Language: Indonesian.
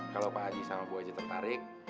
kalo pak aji sama bu aji tertarik